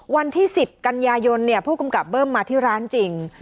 วันที่๑๐กันยายนผู้กำกับเบิ้มมาที่ร้านจริง